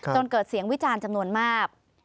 จนเกิดเสียงวิจารณ์จำนวนมาก